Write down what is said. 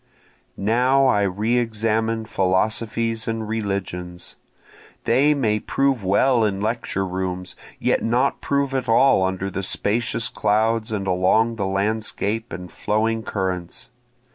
Now I re examine philosophies and religions, They may prove well in lecture rooms, yet not prove at all under the spacious clouds and along the landscape and flowing currents.